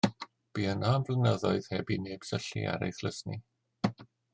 Bu yno am flynyddoedd heb i neb syllu ar ei thlysni.